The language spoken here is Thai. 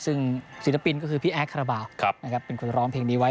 ซึ่งศิลปินก็คือพี่แอดคาราบาลเป็นคนร้องเพลงนี้ไว้